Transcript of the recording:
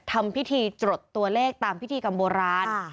ทำพิธีจดตัวเลขตามพิธีกรรมโบราณ